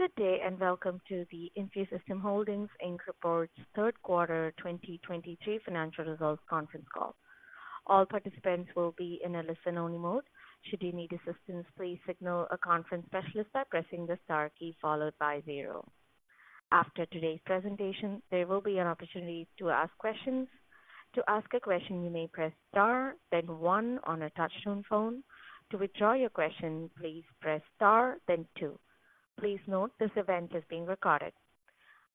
Good day, and welcome to the InfuSystem Holdings, Inc. Reports Third Quarter 2023 Financial Results conference call. All participants will be in a listen-only mode. Should you need assistance, please signal a conference specialist by pressing the star key followed by zero. After today's presentation, there will be an opportunity to ask questions. To ask a question, you may press star, then one on a touchtone phone. To withdraw your question, please press star, then two. Please note, this event is being recorded.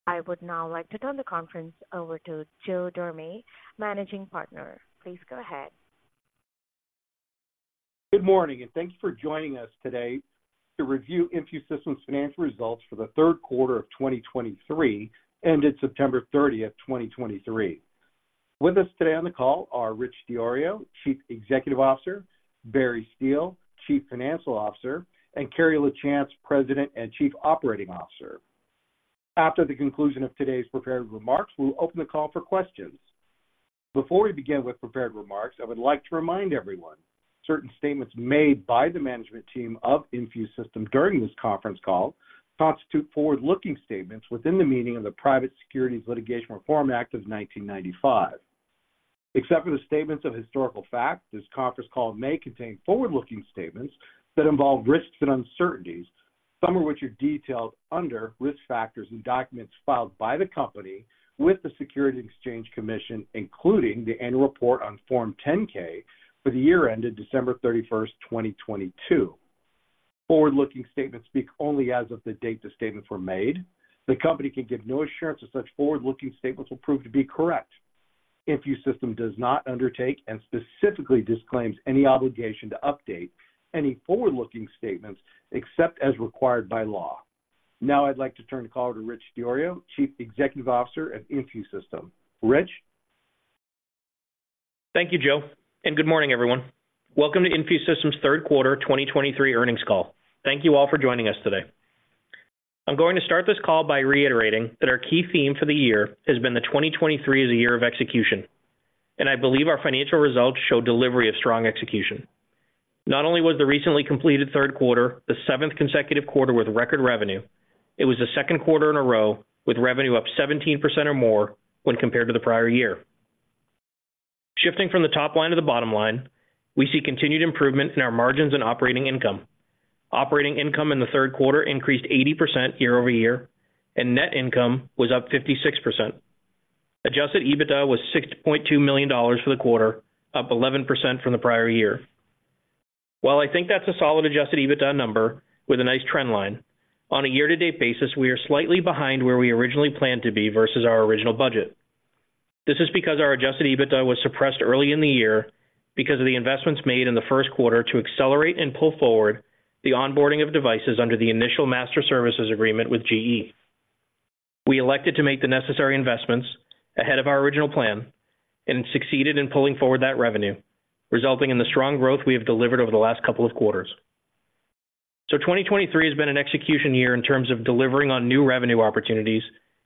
I would now like to turn the conference over to Joe Dorame, Managing Partner. Please go ahead. Good morning, and thanks for joining us today to review InfuSystem's financial results for the third quarter of 2023, ended September 30, 2023. With us today on the call are Richard DiIorio, Chief Executive Officer, Barry Steele, Chief Financial Officer, and Carrie Lachance, President and Chief Operating Officer. After the conclusion of today's prepared remarks, we'll open the call for questions. Before we begin with prepared remarks, I would like to remind everyone, certain statements made by the management team of InfuSystem during this conference call constitute forward-looking statements within the meaning of the Private Securities Litigation Reform Act of 1995. Except for the statements of historical fact, this conference call may contain forward-looking statements that involve risks and uncertainties, some of which are detailed under Risk Factors in documents filed by the company with the Securities and Exchange Commission, including the annual report on Form 10-K for the year ended December 31, 2022. Forward-looking statements speak only as of the date the statements were made. The company can give no assurance that such forward-looking statements will prove to be correct. InfuSystem does not undertake and specifically disclaims any obligation to update any forward-looking statements except as required by law. Now, I'd like to turn the call to Rich DiIorio, Chief Executive Officer at InfuSystem. Rich? Thank you, Joe, and good morning, everyone. Welcome to InfuSystem's Third Quarter 2023 earnings call. Thank you all for joining us today. I'm going to start this call by reiterating that our key theme for the year has been that 2023 is a year of execution, and I believe our financial results show delivery of strong execution. Not only was the recently completed third quarter the seventh consecutive quarter with record revenue, it was the second quarter in a row with revenue up 17% or more when compared to the prior year. Shifting from the top line to the bottom line, we see continued improvement in our margins and operating income. Operating income in the third quarter increased 80% year-over-year, and net income was up 56%. Adjusted EBITDA was $6.2 million for the quarter, up 11% from the prior year. While I think that's a solid adjusted EBITDA number with a nice trend line, on a year-to-date basis, we are slightly behind where we originally planned to be versus our original budget. This is because our adjusted EBITDA was suppressed early in the year because of the investments made in the first quarter to accelerate and pull forward the onboarding of devices under the initial master services agreement with GE. We elected to make the necessary investments ahead of our original plan and succeeded in pulling forward that revenue, resulting in the strong growth we have delivered over the last couple of quarters. So 2023 has been an execution year in terms of delivering on new revenue opportunities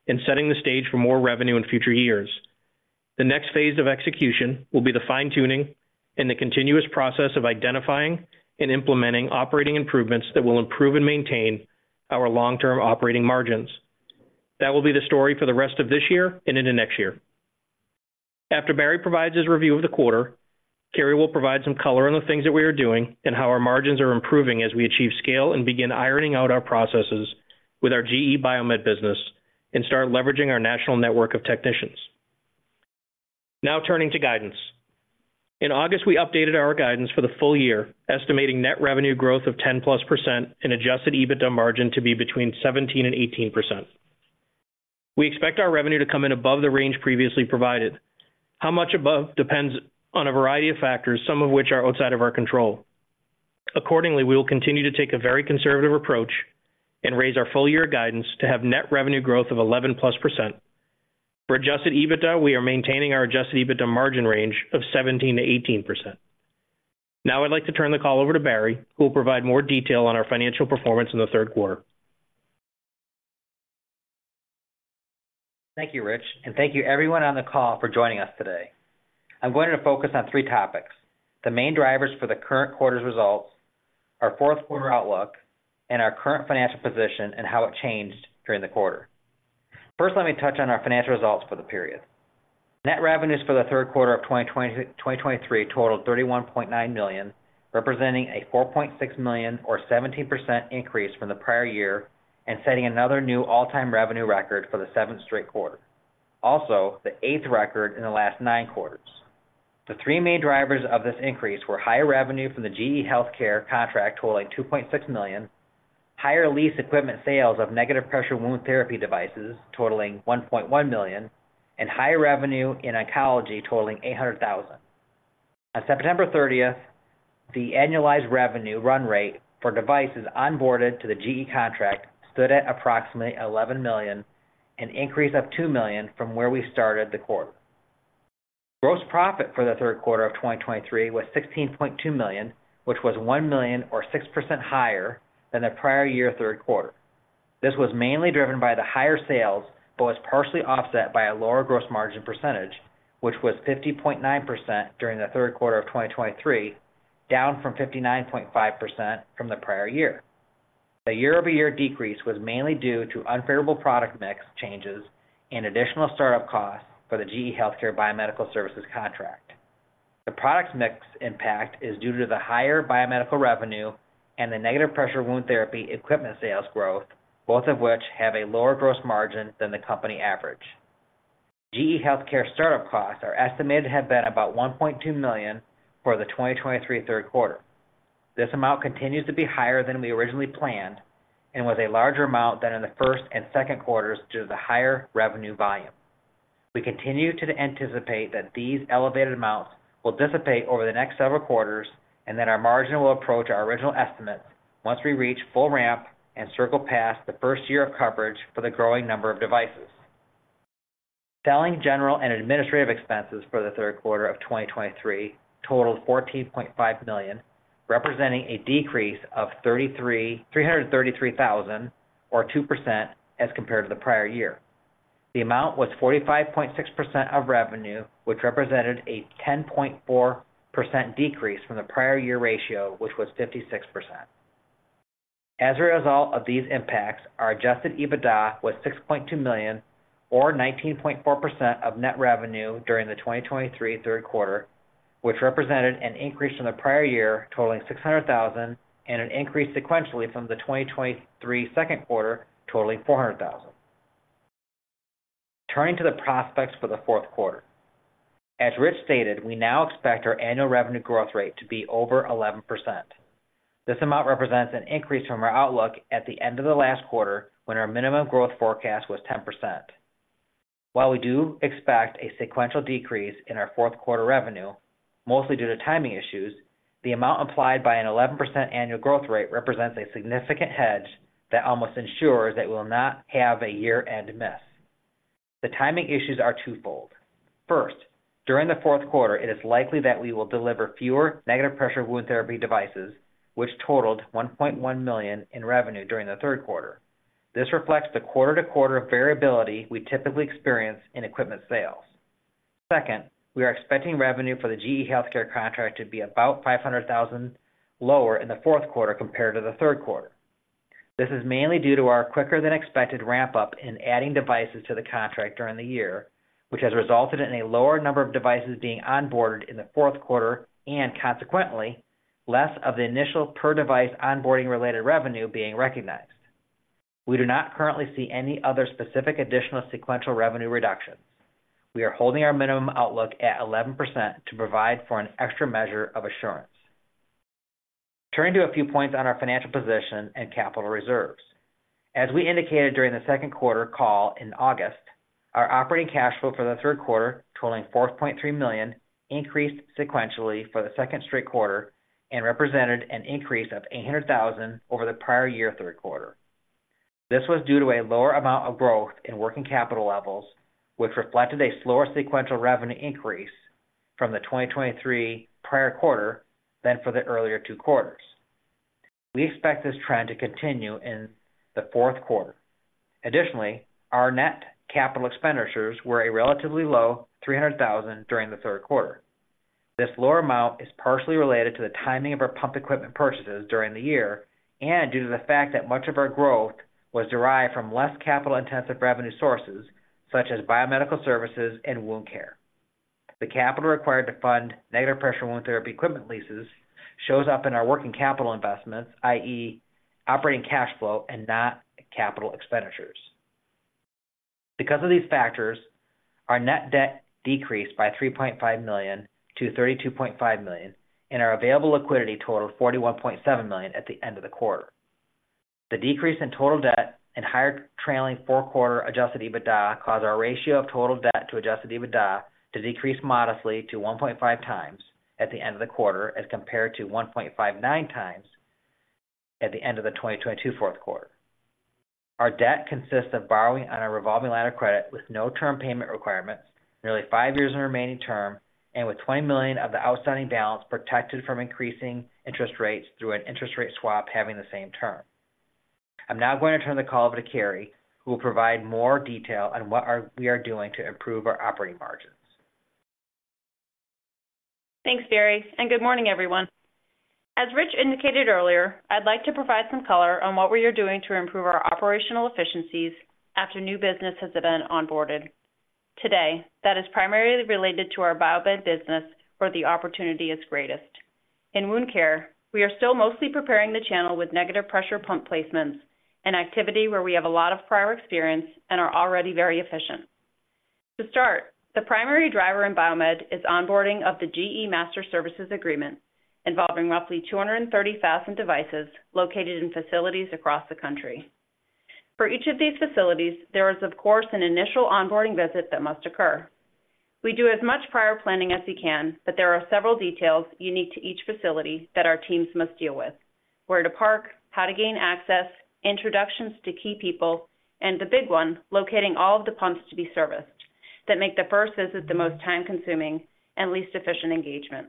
and setting the stage for more revenue in future years. The next phase of execution will be the fine-tuning and the continuous process of identifying and implementing operating improvements that will improve and maintain our long-term operating margins. That will be the story for the rest of this year and into next year. After Barry provides his review of the quarter, Carrie will provide some color on the things that we are doing and how our margins are improving as we achieve scale and begin ironing out our processes with our GE BioMed business and start leveraging our national network of technicians. Now turning to guidance. In August, we updated our guidance for the full year, estimating net revenue growth of 10%+ and Adjusted EBITDA margin to be between 17%-18%. We expect our revenue to come in above the range previously provided. How much above depends on a variety of factors, some of which are outside of our control. Accordingly, we will continue to take a very conservative approach and raise our full year guidance to have net revenue growth of 11%+. For Adjusted EBITDA, we are maintaining our Adjusted EBITDA margin range of 17%-18%. Now, I'd like to turn the call over to Barry, who will provide more detail on our financial performance in the third quarter. Thank you, Rich, and thank you everyone on the call for joining us today. I'm going to focus on three topics: the main drivers for the current quarter's results, our fourth quarter outlook, and our current financial position and how it changed during the quarter. First, let me touch on our financial results for the period. Net revenues for the third quarter of 2023 totaled $31.9 million, representing a $4.6 million or 17% increase from the prior year, and setting another new all-time revenue record for the seventh straight quarter. Also, the eighth record in the last nine quarters. The three main drivers of this increase were higher revenue from the GE Healthcare contract, totaling $2.6 million, higher lease equipment sales of negative pressure wound therapy devices, totaling $1.1 million, and higher revenue in oncology, totaling $800,000. On September thirtieth, the annualized revenue run rate for devices onboarded to the GE contract stood at approximately $11 million, an increase of $2 million from where we started the quarter. Gross profit for the third quarter of 2023 was $16.2 million, which was $1 million or 6% higher than the prior-year third quarter. This was mainly driven by the higher sales, but was partially offset by a lower gross margin percentage, which was 50.9% during the third quarter of 2023, down from 59.5% from the prior year. The year-over-year decrease was mainly due to unfavorable product mix changes and additional startup costs for the GE Healthcare Biomedical Services contract. The product mix impact is due to the higher biomedical revenue and the Negative Pressure Wound Therapy equipment sales growth, both of which have a lower gross margin than the company average. GE Healthcare startup costs are estimated to have been about $1.2 million for the 2023 third quarter. This amount continues to be higher than we originally planned and was a larger amount than in the first and second quarters due to the higher revenue volume. We continue to anticipate that these elevated amounts will dissipate over the next several quarters and that our margin will approach our original estimates once we reach full ramp and circle past the first year of coverage for the growing number of devices. Selling, general and administrative expenses for the third quarter of 2023 totaled $14.5 million, representing a decrease of $333,000, or 2%, as compared to the prior year. The amount was 45.6% of revenue, which represented a 10.4% decrease from the prior year ratio, which was 56%. As a result of these impacts, our Adjusted EBITDA was $6.2 million, or 19.4% of net revenue during the 2023 third quarter, which represented an increase from the prior year, totaling $600,000, and an increase sequentially from the 2023 second quarter, totaling $400,000. Turning to the prospects for the fourth quarter. As Rich stated, we now expect our annual revenue growth rate to be over 11%. This amount represents an increase from our outlook at the end of the last quarter, when our minimum growth forecast was 10%. While we do expect a sequential decrease in our fourth quarter revenue, mostly due to timing issues, the amount implied by an 11% annual growth rate represents a significant hedge that almost ensures that we will not have a year-end miss. The timing issues are twofold. First, during the fourth quarter, it is likely that we will deliver fewer negative pressure wound therapy devices, which totaled $1.1 million in revenue during the third quarter. This reflects the quarter-to-quarter variability we typically experience in equipment sales. Second, we are expecting revenue for the GE Healthcare contract to be about $500,000 lower in the fourth quarter compared to the third quarter. This is mainly due to our quicker-than-expected ramp-up in adding devices to the contract during the year, which has resulted in a lower number of devices being onboarded in the fourth quarter, and consequently, less of the initial per-device onboarding-related revenue being recognized. We do not currently see any other specific additional sequential revenue reductions. We are holding our minimum outlook at 11% to provide for an extra measure of assurance. Turning to a few points on our financial position and capital reserves. As we indicated during the second quarter call in August, our operating cash flow for the third quarter, totaling $4.3 million, increased sequentially for the second straight quarter and represented an increase of $800,000 over the prior year third quarter. This was due to a lower amount of growth in working capital levels, which reflected a slower sequential revenue increase from the 2023 prior quarter than for the earlier two quarters. We expect this trend to continue in the fourth quarter. Additionally, our net capital expenditures were a relatively low $300,000 during the third quarter. This lower amount is partially related to the timing of our pump equipment purchases during the year and due to the fact that much of our growth was derived from less capital-intensive revenue sources, such as biomedical services and wound care. The capital required to fund negative pressure wound therapy equipment leases shows up in our working capital investments, i.e., operating cash flow and not capital expenditures. Because of these factors, our net debt decreased by $3.5 million to $32.5 million, and our available liquidity totaled $41.7 million at the end of the quarter. The decrease in total debt and higher trailing four-quarter Adjusted EBITDA caused our ratio of total debt to Adjusted EBITDA to decrease modestly to 1.5x at the end of the quarter, as compared to 1.59x at the end of the 2022 fourth quarter. Our debt consists of borrowing on a revolving line of credit with no term payment requirements, nearly five years in remaining term, and with $20 million of the outstanding balance protected from increasing interest rates through an interest rate swap having the same term. I'm now going to turn the call over to Carrie, who will provide more detail on what we are doing to improve our operating margins. Thanks, Barry, and good morning, everyone. As Rich indicated earlier, I'd like to provide some color on what we are doing to improve our operational efficiencies after new business has been onboarded. Today, that is primarily related to our BioMed business, where the opportunity is greatest. In wound care, we are still mostly preparing the channel with negative pressure pump placements, an activity where we have a lot of prior experience and are already very efficient. To start, the primary driver in BioMed is onboarding of the GE Master Services Agreement, involving roughly 230,000 devices located in facilities across the country. For each of these facilities, there is, of course, an initial onboarding visit that must occur. We do as much prior planning as we can, but there are several details unique to each facility that our teams must deal with: where to park, how to gain access, introductions to key people, and the big one, locating all of the pumps to be serviced, that make the first visit the most time-consuming and least efficient engagement.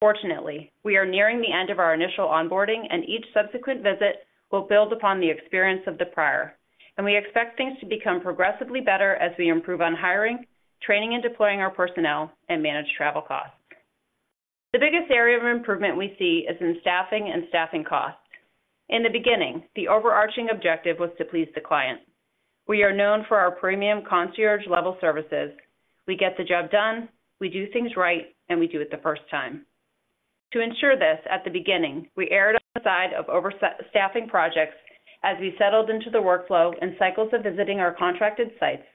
Fortunately, we are nearing the end of our initial onboarding, and each subsequent visit will build upon the experience of the prior. And we expect things to become progressively better as we improve on hiring, training and deploying our personnel, and manage travel costs. The biggest area of improvement we see is in staffing and staffing costs. In the beginning, the overarching objective was to please the client. We are known for our premium concierge-level services. We get the job done, we do things right, and we do it the first time. To ensure this, at the beginning, we erred on the side of overstaffing projects as we settled into the workflow and cycles of visiting our contracted sites.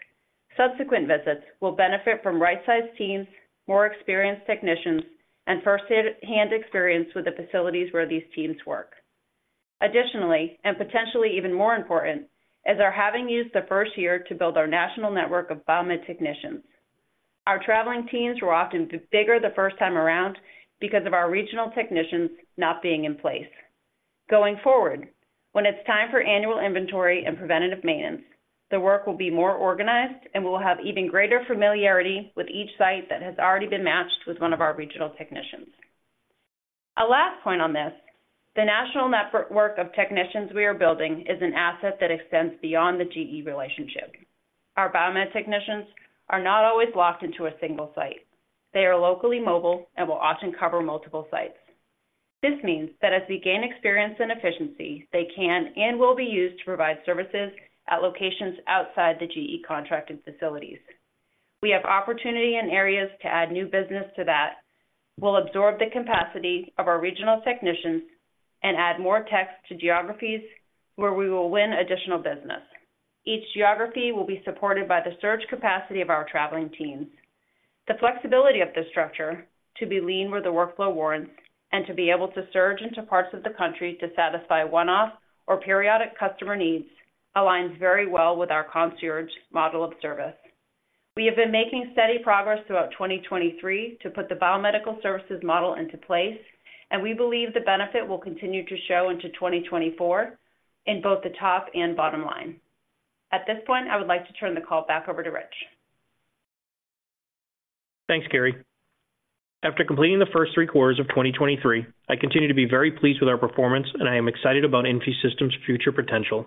Subsequent visits will benefit from right-sized teams, more experienced technicians, and first-hand experience with the facilities where these teams work. Additionally, and potentially even more important, is our having used the first year to build our national network of BioMed technicians. Our traveling teams were often bigger the first time around because of our regional technicians not being in place. Going forward, when it's time for annual inventory and preventative maintenance, the work will be more organized, and we'll have even greater familiarity with each site that has already been matched with one of our regional technicians. A last point on this, the national network of technicians we are building is an asset that extends beyond the GE relationship. Our BioMed technicians are not always locked into a single site. They are locally mobile and will often cover multiple sites. This means that as they gain experience and efficiency, they can and will be used to provide services at locations outside the GE contracted facilities. We have opportunity in areas to add new business to that, will absorb the capacity of our regional technicians, and add more techs to geographies where we will win additional business. Each geography will be supported by the surge capacity of our traveling teams. The flexibility of this structure, to be lean where the workflow warrants, and to be able to surge into parts of the country to satisfy one-off or periodic customer needs, aligns very well with our concierge model of service. We have been making steady progress throughout 2023 to put the biomedical services model into place, and we believe the benefit will continue to show into 2024 in both the top and bottom line. At this point, I would like to turn the call back over to Rich. Thanks, Carrie. After completing the first three quarters of 2023, I continue to be very pleased with our performance, and I am excited about InfuSystem's future potential.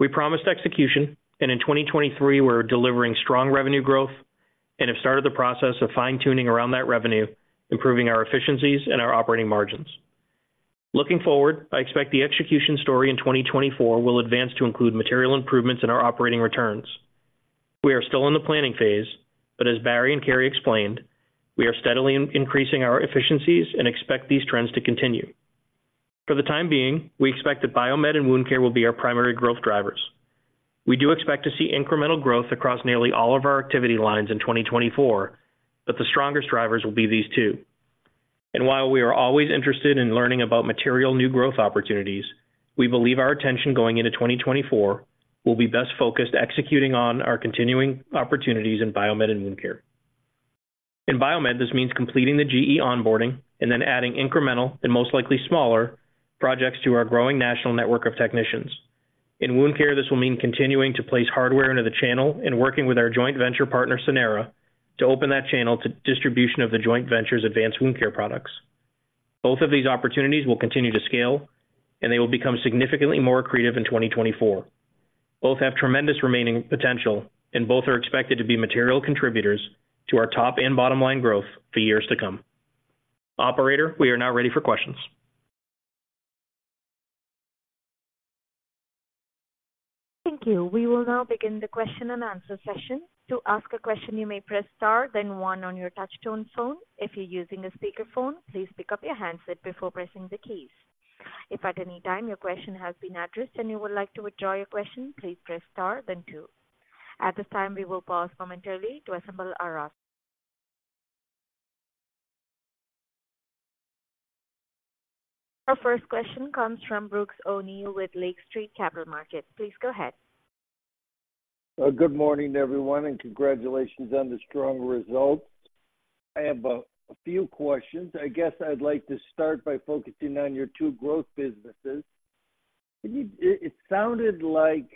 We promised execution, and in 2023, we're delivering strong revenue growth and have started the process of fine-tuning around that revenue, improving our efficiencies and our operating margins. Looking forward, I expect the execution story in 2024 will advance to include material improvements in our operating returns. We are still in the planning phase, but as Barry and Carrie explained, we are steadily increasing our efficiencies and expect these trends to continue. For the time being, we expect that biomed and wound care will be our primary growth drivers. We do expect to see incremental growth across nearly all of our activity lines in 2024, but the strongest drivers will be these two. While we are always interested in learning about material new growth opportunities, we believe our attention going into 2024 will be best focused executing on our continuing opportunities in biomed and wound care. In biomed, this means completing the GE onboarding and then adding incremental, and most likely smaller, projects to our growing national network of technicians. In wound care, this will mean continuing to place hardware into the channel and working with our joint venture partner, Sanara, to open that channel to distribution of the joint venture's advanced wound care products. Both of these opportunities will continue to scale, and they will become significantly more accretive in 2024. Both have tremendous remaining potential, and both are expected to be material contributors to our top and bottom line growth for years to come. Operator, we are now ready for questions. Thank you. We will now begin the question-and-answer session. To ask a question, you may press star, then one on your touchtone phone. If you're using a speakerphone, please pick up your handset before pressing the keys. If at any time your question has been addressed and you would like to withdraw your question, please press star, then two. At this time, we will pause momentarily to assemble our callers. Our first question comes from Brooks O'Neil with Lake Street Capital Markets. Please go ahead. Good morning, everyone, and congratulations on the strong results. I have a few questions. I guess I'd like to start by focusing on your two growth businesses. Can you, it sounded like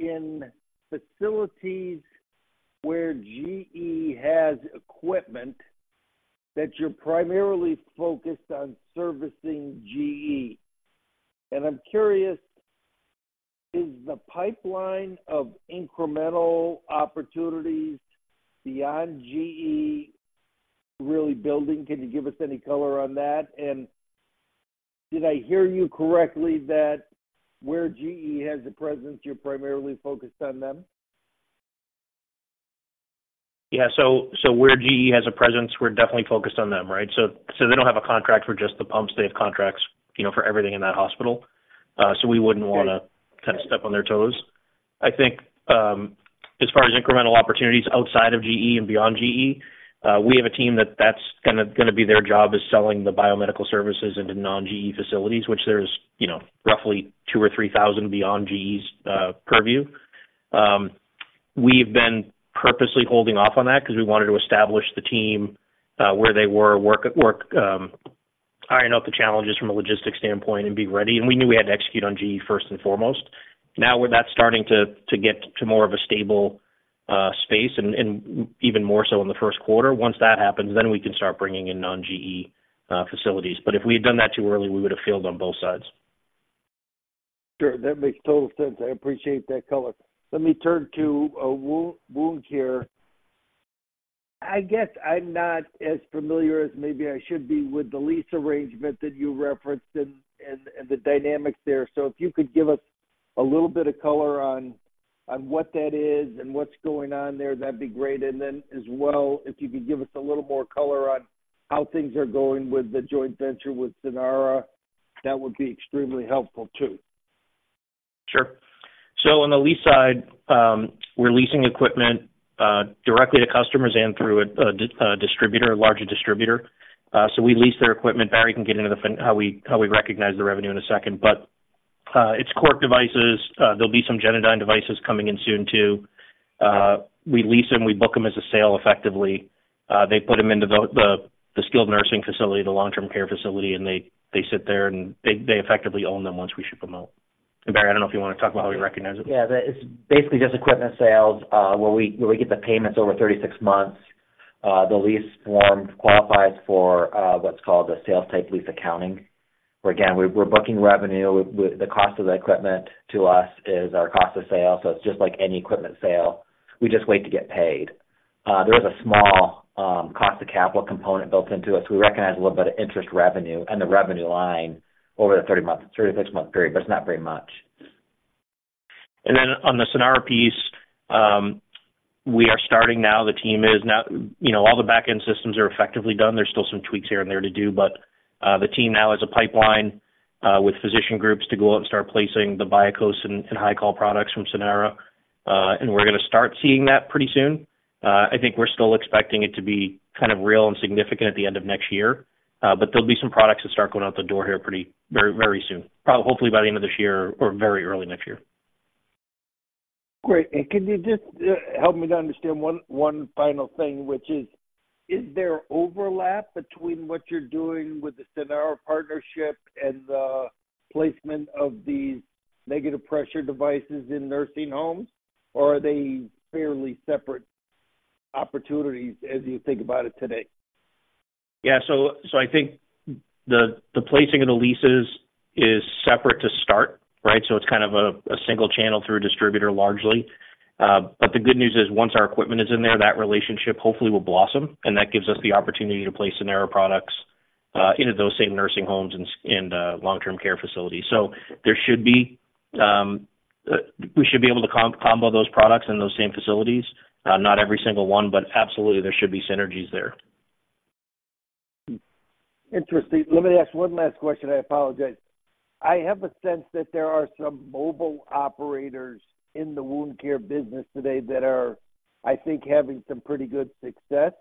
in facilities where GE has equipment, that you're primarily focused on servicing GE. And I'm curious, is the pipeline of incremental opportunities beyond GE really building? Can you give us any color on that? And did I hear you correctly that where GE has a presence, you're primarily focused on them? Yeah, so where GE has a presence, we're definitely focused on them, right? So they don't have a contract for just the pumps. They have contracts, you know, for everything in that hospital. So we wouldn't want to kind of step on their toes. I think as far as incremental opportunities outside of GE and beyond GE, we have a team that's kind of going to be their job, is selling the biomedical services into non-GE facilities, which there's, you know, roughly 2,000-3,000 beyond GE's purview. We've been purposely holding off on that because we wanted to establish the team where they work, iron out the challenges from a logistics standpoint and be ready, and we knew we had to execute on GE first and foremost. Now, we're past that. That's starting to get to more of a stable space and even more so in the first quarter. Once that happens, then we can start bringing in non-GE facilities. But if we had done that too early, we would have failed on both sides.... Sure, that makes total sense. I appreciate that color. Let me turn to wound care. I guess I'm not as familiar as maybe I should be with the lease arrangement that you referenced and the dynamics there. So if you could give us a little bit of color on what that is and what's going on there, that'd be great. And then as well, if you could give us a little more color on how things are going with the joint venture with Sanara, that would be extremely helpful too. Sure. So on the lease side, we're leasing equipment directly to customers and through a distributor, a larger distributor. So we lease their equipment. Barry can get into how we recognize the revenue in a second. But it's core devices. There'll be some Genadyne devices coming in soon too. We lease them, we book them as a sale effectively. They put them into the skilled nursing facility, the long-term care facility, and they sit there, and they effectively own them once we ship them out. And, Barry, I don't know if you want to talk about how we recognize it. Yeah, that is basically just equipment sales, where we get the payments over 36 months. The lease form qualifies for what's called a sales-type lease accounting, where, again, we're booking revenue with the cost of the equipment to us is our cost of sale. So it's just like any equipment sale. We just wait to get paid. There is a small cost of capital component built into it, so we recognize a little bit of interest revenue on the revenue line over the 30-month, 36-month period, but it's not very much. Then on the Sanara piece, we are starting now. The team is now—you know, all the back-end systems are effectively done. There's still some tweaks here and there to do, but the team now has a pipeline with physician groups to go out and start placing the BIAKŌS and HYCOL products from Sanara. And we're going to start seeing that pretty soon. I think we're still expecting it to be kind of real and significant at the end of next year. But there'll be some products that start going out the door here pretty, very, very soon. Hopefully by the end of this year or very early next year. Great. And can you just help me to understand one final thing, which is: Is there overlap between what you're doing with the Sanara partnership and the placement of these negative pressure devices in nursing homes? Or are they fairly separate opportunities as you think about it today? Yeah. So I think the placing of the leases is separate to start, right? So it's kind of a single channel through a distributor, largely. But the good news is, once our equipment is in there, that relationship hopefully will blossom, and that gives us the opportunity to place Sanara products into those same nursing homes and long-term care facilities. So there should be, we should be able to combo those products in those same facilities. Not every single one, but absolutely, there should be synergies there. Interesting. Let me ask one last question. I apologize. I have a sense that there are some mobile operators in the wound care business today that are, I think, having some pretty good success.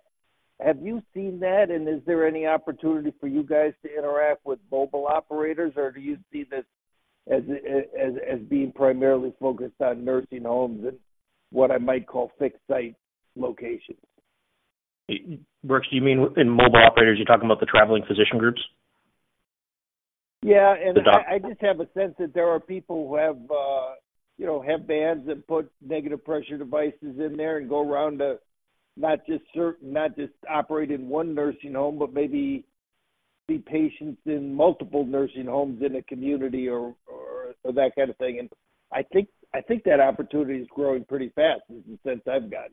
Have you seen that, and is there any opportunity for you guys to interact with mobile operators, or do you see this as a, as, as being primarily focused on nursing homes and what I might call fixed-site locations? Brooks, do you mean in mobile operators, you're talking about the traveling physician groups? Yeah. The doc- I just have a sense that there are people who have, you know, have vans that put negative pressure devices in there and go around to not just certain—not just operate in one nursing home, but maybe see patients in multiple nursing homes in a community or that kind of thing. And I think that opportunity is growing pretty fast, is the sense I've got.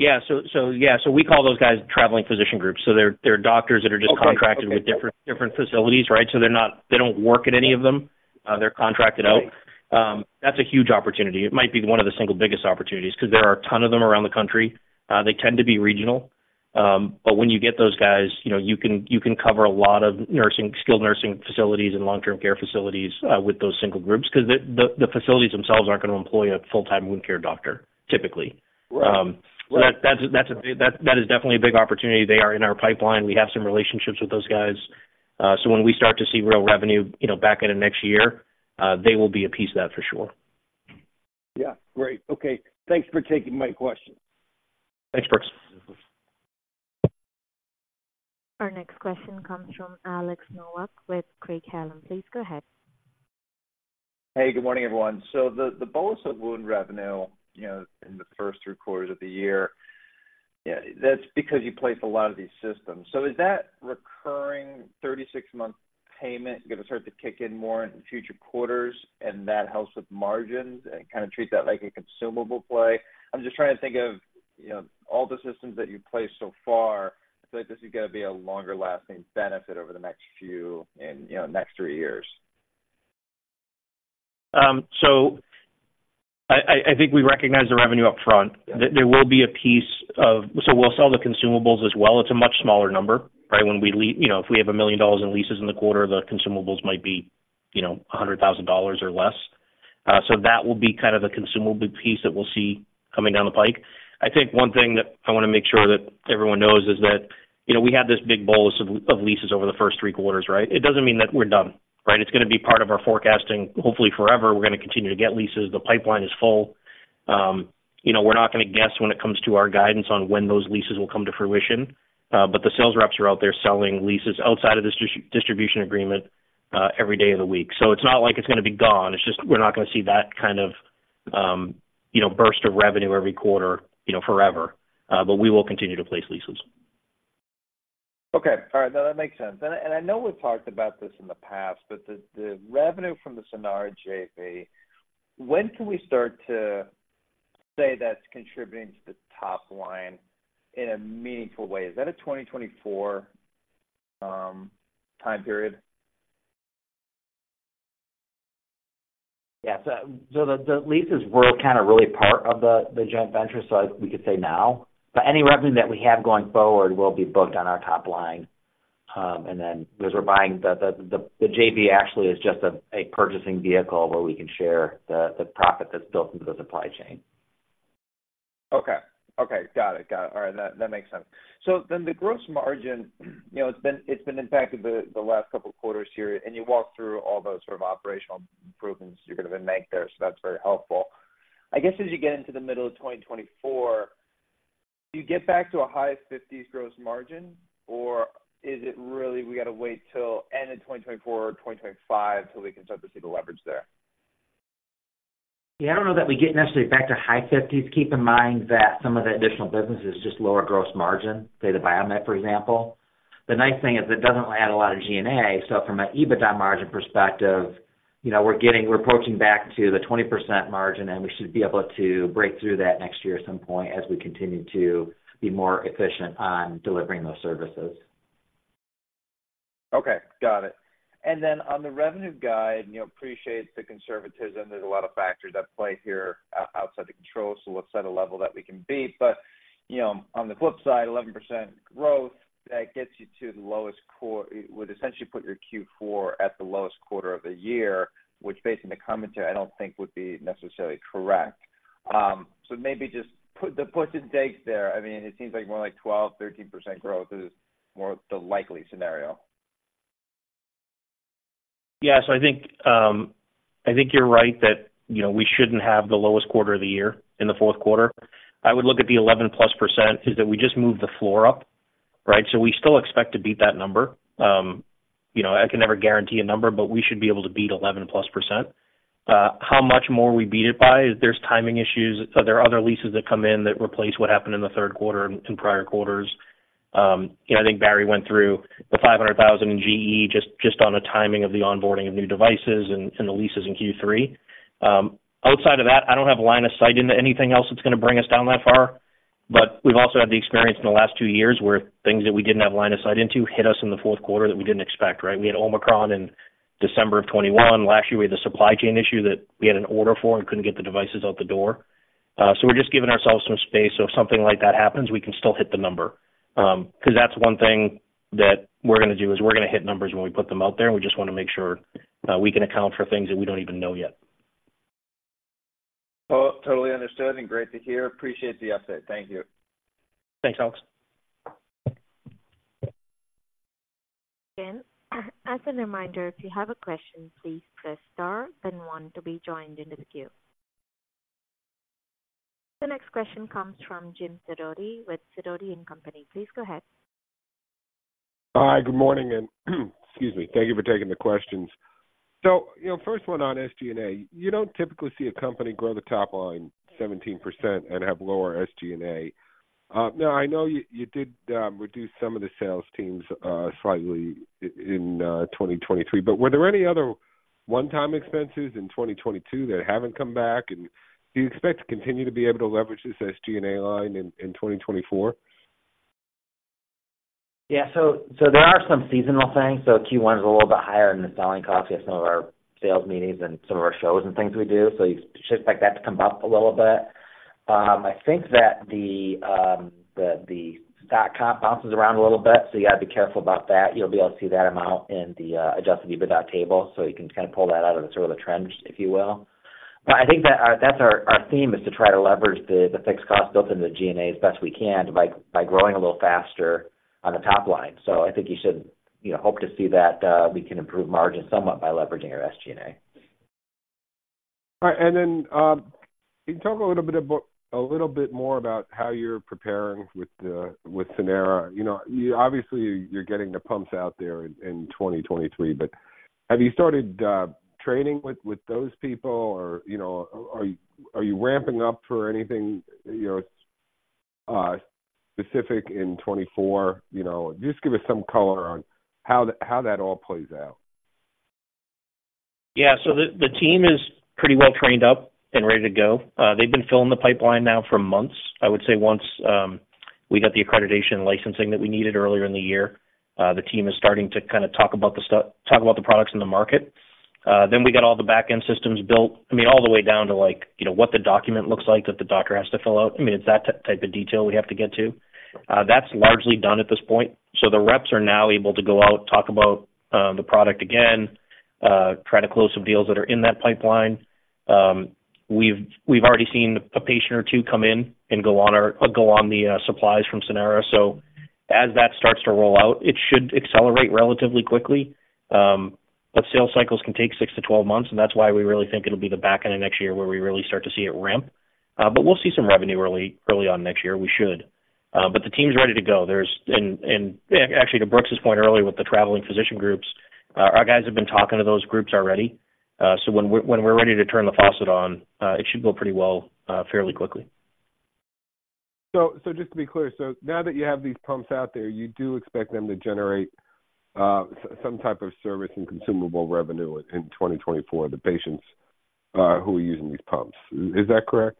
Yeah. So we call those guys traveling physician groups. So they're doctors that are just- Okay. Contracted with different, different facilities, right? So they're not, they don't work at any of them. They're contracted out. Right. That's a huge opportunity. It might be one of the single biggest opportunities, because there are a ton of them around the country. They tend to be regional. But when you get those guys, you know, you can cover a lot of nursing, skilled nursing facilities and long-term care facilities, with those single groups, because the facilities themselves aren't going to employ a full-time wound care doctor, typically. Right. So that's definitely a big opportunity. They are in our pipeline. We have some relationships with those guys. So when we start to see real revenue, you know, back end of next year, they will be a piece of that for sure. Yeah. Great. Okay. Thanks for taking my question. Thanks, Brooks. Our next question comes from Alex Nowak with Craig-Hallum. Please go ahead. Hey, good morning, everyone. So the bolus of wound revenue, you know, in the first three quarters of the year, yeah, that's because you place a lot of these systems. So is that recurring 36-month payment going to start to kick in more in future quarters, and that helps with margins and kind of treat that like a consumable play? I'm just trying to think of, you know, all the systems that you've placed so far. I feel like this is going to be a longer-lasting benefit over the next few and, you know, next three years. So I think we recognize the revenue upfront. There will be a piece of... So we'll sell the consumables as well. It's a much smaller number, right? When we you know, if we have $1 million in leases in the quarter, the consumables might be, you know, $100,000 or less. So that will be kind of the consumable piece that we'll see coming down the pike. I think one thing that I want to make sure that everyone knows is that, you know, we have this big bolus of leases over the first three quarters, right? It doesn't mean that we're done, right? It's going to be part of our forecasting, hopefully forever. We're going to continue to get leases. The pipeline is full. You know, we're not going to guess when it comes to our guidance on when those leases will come to fruition, but the sales reps are out there selling leases outside of this distribution agreement, every day of the week. So it's not like it's going to be gone. It's just we're not going to see that kind of, you know, burst of revenue every quarter, you know, forever. But we will continue to place leases. ... Okay. All right, that makes sense. And I know we've talked about this in the past, but the revenue from the Sanara JV, when can we start to say that's contributing to the top line in a meaningful way? Is that a 2024 time period? Yeah. So the leases were kind of really part of the joint venture, so we could say now. But any revenue that we have going forward will be booked on our top line. And then because we're buying the JV actually is just a purchasing vehicle where we can share the profit that's built into the supply chain. Okay. Okay. Got it. Got it. All right. That, that makes sense. So then the gross margin, you know, it's been, it's been impacted the, the last couple of quarters here, and you walk through all those sort of operational improvements you're going to make there, so that's very helpful. I guess, as you get into the middle of 2024, do you get back to a high 50s gross margin, or is it really we got to wait till end of 2024 or 2025 till we can start to see the leverage there? Yeah, I don't know that we get necessarily back to high 50s. Keep in mind that some of the additional business is just lower gross margin, say, the BioMed, for example. The nice thing is it doesn't add a lot of G&A, so from an EBITDA margin perspective, you know, we're getting, we're approaching back to the 20% margin, and we should be able to break through that next year at some point as we continue to be more efficient on delivering those services. Okay, got it. And then on the revenue guide, you know, appreciate the conservatism. There's a lot of factors at play here, outside the control, so let's set a level that we can beat. But, you know, on the flip side, 11% growth, that gets you to the lowest quarter would essentially put your Q4 at the lowest quarter of the year, which, based on the commentary, I don't think would be necessarily correct. So maybe just put the puts and takes there. I mean, it seems like more like 12%-13% growth is more the likely scenario. Yeah. So I think, I think you're right that, you know, we shouldn't have the lowest quarter of the year in the fourth quarter. I would look at the 11%+, is that we just moved the floor up, right? So we still expect to beat that number. You know, I can never guarantee a number, but we should be able to beat 11%+. How much more we beat it by, there's timing issues. Are there other leases that come in that replace what happened in the third quarter and in prior quarters? You know, I think Barry went through the $500,000 in GE just on the timing of the onboarding of new devices and the leases in Q3. Outside of that, I don't have line of sight into anything else that's going to bring us down that far, but we've also had the experience in the last two years where things that we didn't have line of sight into hit us in the fourth quarter that we didn't expect, right? We had OMICRON in December 2021. Last year, we had the supply chain issue that we had an order for and couldn't get the devices out the door. So we're just giving ourselves some space so if something like that happens, we can still hit the number. Because that's one thing that we're going to do, is we're going to hit numbers when we put them out there. We just want to make sure we can account for things that we don't even know yet. Oh, totally understood and great to hear. Appreciate the update. Thank you. Thanks, Alex. As a reminder, if you have a question, please press Star then One to be joined in the queue. The next question comes from Jim Sidoti with Sidoti & Company. Please go ahead. Hi, good morning, and excuse me. Thank you for taking the questions. So, you know, first one on SG&A, you don't typically see a company grow the top line 17% and have lower SG&A. Now, I know you, you did reduce some of the sales teams slightly in 2023, but were there any other one-time expenses in 2022 that haven't come back? And do you expect to continue to be able to leverage this SG&A line in 2024? Yeah, so there are some seasonal things. So Q1 is a little bit higher in the selling costs. We have some of our sales meetings and some of our shows and things we do, so you expect that to come up a little bit. I think that the stock comp bounces around a little bit, so you got to be careful about that. You'll be able to see that amount in the Adjusted EBITDA table, so you can kind of pull that out of the sort of trends, if you will. But I think that that's our theme is to try to leverage the fixed costs built into the G&A as best we can by growing a little faster on the top line. I think you should, you know, hope to see that we can improve margins somewhat by leveraging our SG&A. All right. And then, can you talk a little bit more about how you're preparing with Sanara? You know, you obviously, you're getting the pumps out there in 2023, but have you started training with those people? Or, you know, are you ramping up for anything specific in 2024? You know, just give us some color on how that all plays out. Yeah. So the team is pretty well trained up and ready to go. They've been filling the pipeline now for months. I would say once we got the accreditation and licensing that we needed earlier in the year, the team is starting to kind of talk about the products in the market. Then we got all the back-end systems built, I mean, all the way down to, like, you know, what the document looks like that the doctor has to fill out. I mean, it's that type of detail we have to get to. That's largely done at this point. So the reps are now able to go out, talk about the product again, try to close some deals that are in that pipeline. We've already seen a patient or two come in and go on the supplies from Sanara. So as that starts to roll out, it should accelerate relatively quickly. But sales cycles can take 6 months-12 months, and that's why we really think it'll be the back end of next year where we really start to see it ramp. But we'll see some revenue early on next year, we should. But the team's ready to go. There's yeah, actually, to Brooks' point earlier with the traveling physician groups, our guys have been talking to those groups already. So when we're ready to turn the faucet on, it should go pretty well, fairly quickly.... So, just to be clear, now that you have these pumps out there, you do expect them to generate some type of service and consumable revenue in 2024, the patients who are using these pumps. Is that correct?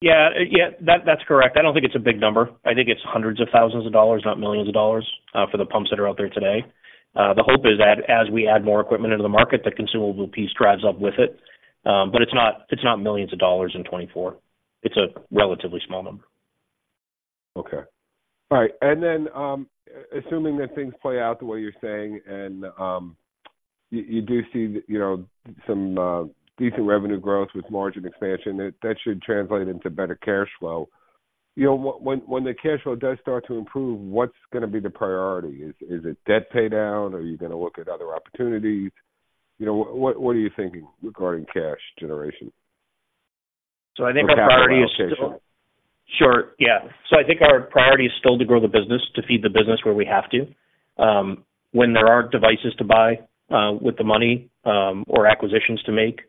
Yeah. Yeah, that, that's correct. I don't think it's a big number. I think it's hundreds of thousands of dollars, not millions of dollars, for the pumps that are out there today. The hope is that as we add more equipment into the market, the consumable piece drives up with it. But it's not, it's not millions of dollars in 2024. It's a relatively small number. Okay. All right. And then, assuming that things play out the way you're saying, and you do see, you know, some decent revenue growth with margin expansion, that should translate into better cash flow. You know, when the cash flow does start to improve, what's gonna be the priority? Is it debt pay down, or are you gonna look at other opportunities? You know, what are you thinking regarding cash generation? I think our priority is- Capital allocation. Sure. Yeah. So I think our priority is still to grow the business, to feed the business where we have to. When there are devices to buy, with the money, or acquisitions to make,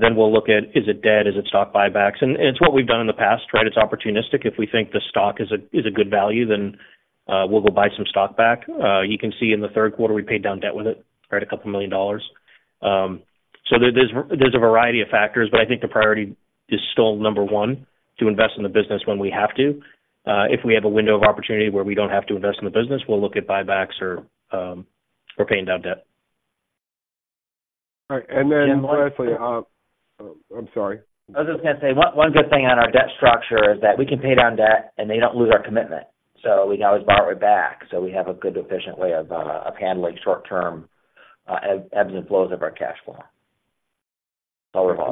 then we'll look at, is it debt, is it stock buybacks? And it's what we've done in the past, right? It's opportunistic. If we think the stock is a good value, then we'll go buy some stock back. You can see in the third quarter, we paid down debt with it, right, couple million dollars. So there's a variety of factors, but I think the priority is still, number one, to invest in the business when we have to. If we have a window of opportunity where we don't have to invest in the business, we'll look at buybacks or paying down debt. All right. And then lastly, I'm sorry. I was just gonna say, one good thing on our debt structure is that we can pay down debt, and they don't lose our commitment, so we can always borrow it back. So we have a good, efficient way of handling short-term ebbs and flows of our cash flow.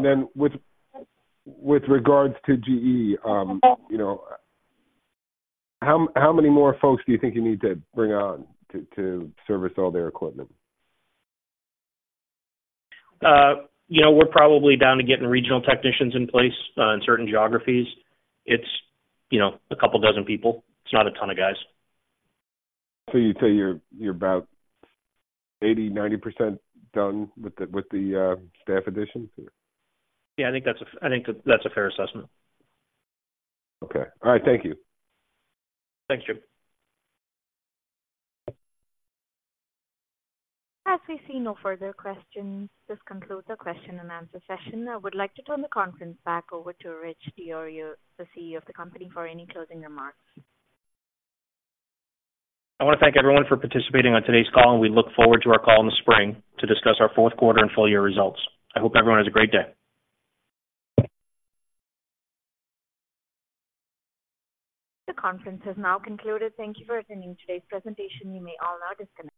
Then with regards to GE, you know, how many more folks do you think you need to bring on to service all their equipment? You know, we're probably down to getting regional technicians in place in certain geographies. It's, you know, a couple dozen people. It's not a ton of guys. So you'd say you're about 80%-90% done with the staff additions? Yeah, I think that's a fair assessment. Okay. All right. Thank you. Thank you. As we see no further questions, this concludes our question and answer session. I would like to turn the conference back over to Richard DiIorio, the CEO of the company, for any closing remarks. I want to thank everyone for participating on today's call, and we look forward to our call in the spring to discuss our fourth quarter and full year results. I hope everyone has a great day. The conference has now concluded. Thank you for attending today's presentation. You may all now disconnect.